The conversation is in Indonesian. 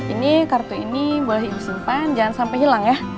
ini kartu ini boleh ibu simpan jangan sampai hilang ya